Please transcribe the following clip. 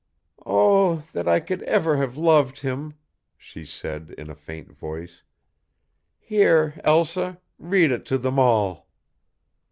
"Oh, that I could ever have loved him!" she said in a faint voice. "Here, Elsa, read it to them all!"